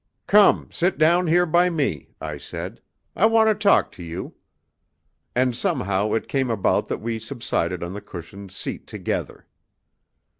"Come, sit down here by me," I said. "I want to talk to you." And somehow it came about that we subsided on the cushioned seat together.